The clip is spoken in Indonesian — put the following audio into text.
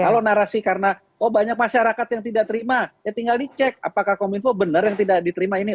kalau narasi karena oh banyak masyarakat yang tidak terima ya tinggal dicek apakah kominfo benar yang tidak diterima ini